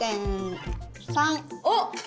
おっ。